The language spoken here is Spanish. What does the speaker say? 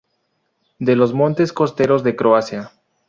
De los montes costeros de Croacia.